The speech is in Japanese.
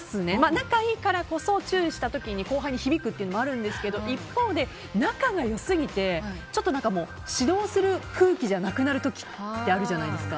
仲がいいからこそ、注意した時に後輩に響くっていうのもあるんですけど、一方で仲が良すぎてちょっと指導する空気じゃなくなる時ってあるじゃないですか。